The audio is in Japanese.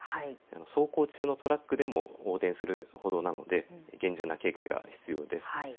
走行中のトラックでも横転するほどなので厳重な警戒が必要です。